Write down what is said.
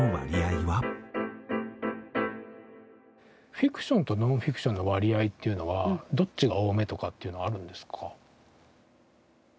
フィクションとノンフィクションの割合っていうのはどっちが多めとかっていうのはあるんですか？